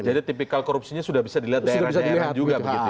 jadi tipikal korupsinya sudah bisa dilihat daerahnya juga begitu ya